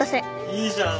いいじゃん！